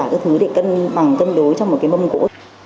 và các thứ để cân bằng cân đối trong một cái mâm cỗ